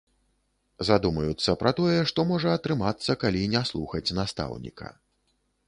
Задумаюцца пра тое, што можа атрымацца калі не слухаць настаўніка.